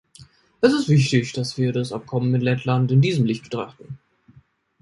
Es ist wichtig, dass wir das Abkommen mit Lettland in diesem Licht betrachten.